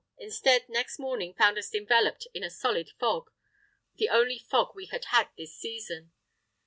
Instead, next morning found us enveloped in a solid fog—the only fog we had had this season.